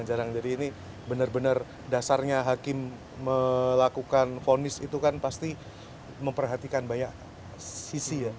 jadi ini benar benar dasarnya hakim melakukan fonis itu kan pasti memperhatikan banyak sisi ya